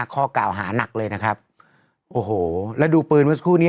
ข้อกล่าวหานักเลยนะครับโอ้โหแล้วดูปืนเมื่อสักครู่นี้